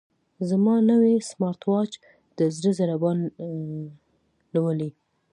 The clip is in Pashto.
زما نوی سمارټ واچ د زړه ضربان لولي.